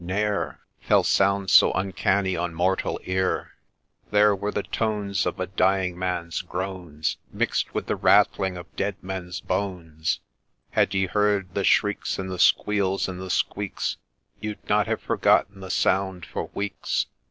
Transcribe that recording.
ne'er Fell sounds so uncanny on mortal ear, There were the tones of a dying man's groans Mix'd with the rattling of dead men's bones : Had you heard the shrieks, and the squeals, and the squeaks, You'd not have forgotten the sound for weeks.